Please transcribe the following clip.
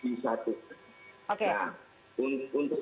kalau sudah masuk ke sana itu ramah penutupan hukum